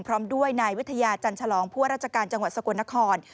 พร้อมด้วยนายวิทยาจันทรองผู้ว่าราชการจังหวัดสกลนคร